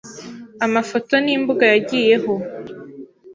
amafoto n’imbuga yagiyeho.